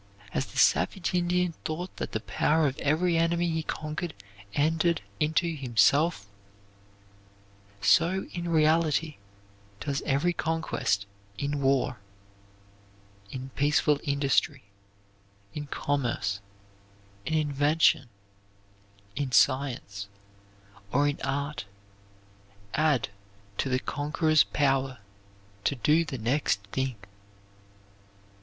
As the savage Indian thought that the power of every enemy he conquered entered into himself, so in reality does every conquest in war, in peaceful industry, in commerce, in invention, in science, or in art add to the conqueror's power to do the next thing.